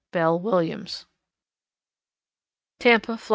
BELLE WILLIAMS. _Tampa, Fla.